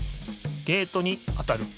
ゲートに当たる。